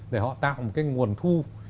để họ tạo một cái nguồn thu